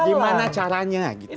dimana caranya gitu